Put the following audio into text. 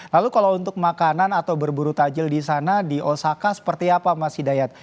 lalu kalau untuk makanan atau berburu tajil di sana di osaka seperti apa mas hidayat